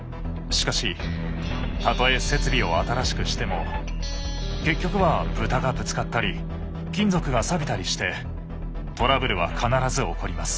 しかしたとえ設備を新しくしても結局は豚がぶつかったり金属がさびたりしてトラブルは必ず起こります。